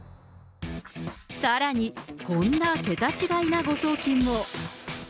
さらに、こんな桁違いな誤送金も。